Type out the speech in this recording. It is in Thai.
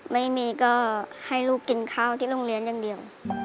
ไม่มีก็ให้ลูกกินข้าวที่โรงเรียนอย่างเดียว